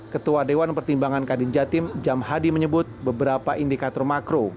ketua dewan pertimbangan kadin jatim jam hadi menyebut beberapa indikator makro